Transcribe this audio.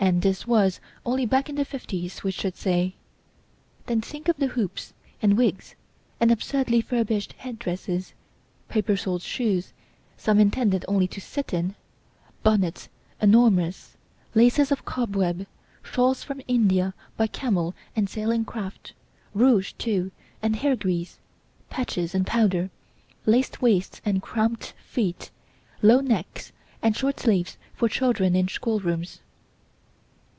And this was only back in the 50's, we should say. Then think of the hoops, and wigs and absurdly furbished head dresses; paper soled shoes, some intended only to sit in; bonnets enormous; laces of cobweb; shawls from India by camel and sailing craft; rouge, too, and hair grease, patches and powder; laced waists and cramped feet; low necks and short sleeves for children in school rooms.